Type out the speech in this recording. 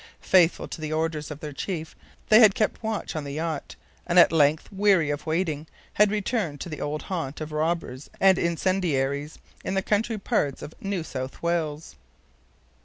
Faithful to the orders of their chief, they had kept watch on the yacht, and at length, weary of waiting, had returned to the old haunt of robbers and incendiaries in the country parts of New South Wales.